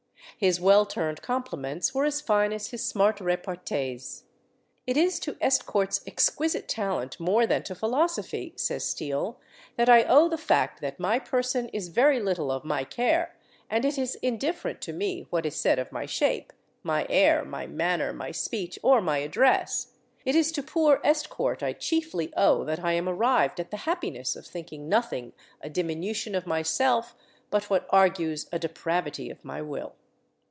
His well turned compliments were as fine as his smart repartees. "It is to Estcourt's exquisite talent more than to philosophy," says Steele, "that I owe the fact that my person is very little of my care, and it is indifferent to me what is said of my shape, my air, my manner, my speech, or my address. It is to poor Estcourt I chiefly owe that I am arrived at the happiness of thinking nothing a diminution of myself but what argues a depravity of my will."